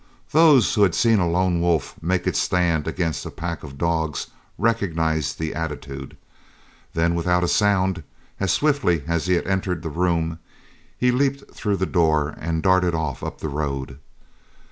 Those who had seen a lone wolf make its stand against a pack of dogs recognized the attitude. Then without a sound, as swiftly as he had entered the room, he leaped through the door and darted off up the road.